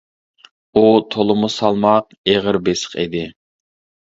ئۇ تولىمۇ سالماق، ئېغىر بېسىق ئىدى.